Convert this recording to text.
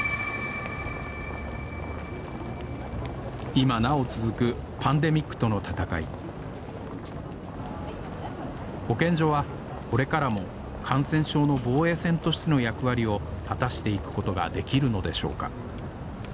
今なお続くパンデミックとの闘い保健所はこれからも感染症の防衛線としての役割を果たしていくことができるのでしょうか？